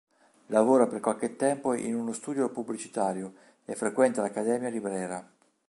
Lavora per qualche tempo in uno studio pubblicitario e frequenta l'Accademia di Brera.